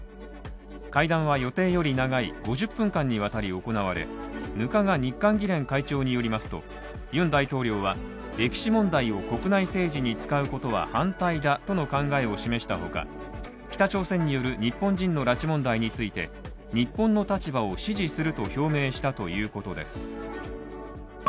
会談は予定より長い５０分間にわたり行われ、額賀日韓議連会長によりますとユン大統領は歴史問題を国内政治に使うことは反対だとの考えを示した他、北朝鮮による日本人の拉致問題について日本の立場を支持すると表明したということです。